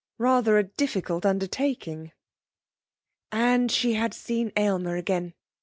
Rather a difficult undertaking!... And she had seen Aylmer again!